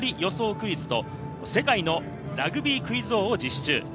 クイズと、世界のラグビークイズ王を実施中。